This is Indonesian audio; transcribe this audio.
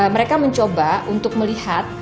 mereka mencoba untuk melihat